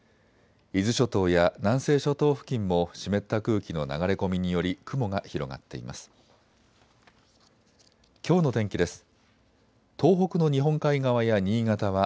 伊豆諸島や南西諸島付近も湿った空気の流れ込みにより雲が広がっています。